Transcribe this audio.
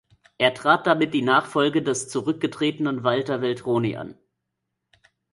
Er trat damit die Nachfolge des zurückgetretenen Walter Veltroni an.